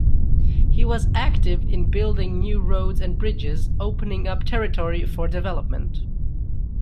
He was active in building new roads and bridges, opening up territory for development.